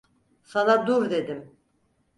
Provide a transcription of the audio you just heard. Sana dur dedim!